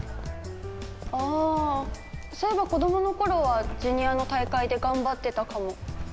ああそういえば子供の頃はジュニアの大会で頑張ってたかも。